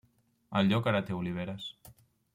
El lloc ara té oliveres.